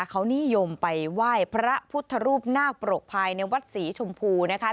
เขานิยมไปไหว้พระพุทธรูปนาคปรกภายในวัดศรีชมพูนะคะ